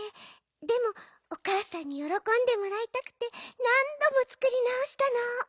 でもおかあさんによろこんでもらいたくてなんどもつくりなおしたの。